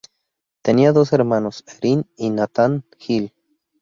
Tenía dos hermanos Erin y Nathan Hill.